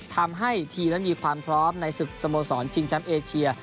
ทำให้ทีมนั้นมีความพร้อมในศึกสโมสรชิงแชมป์เอเชีย